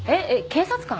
警察官！？